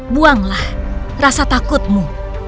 buanglah rasa takutmu